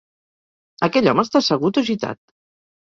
Aquell home està assegut o gitat?